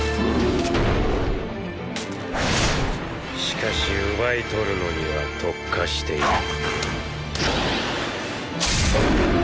しかし奪い取るのには特化している。